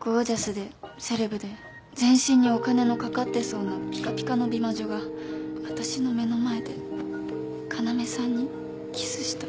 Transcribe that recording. ゴージャスでセレブで全身にお金のかかってそうなぴかぴかの美魔女が私の目の前で要さんにキスした。